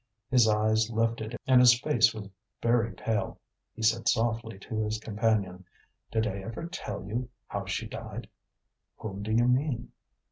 His eyes lifted and his face was very pale; he said softly to his companion: "Did I ever tell you how she died?" "Whom do you mean?"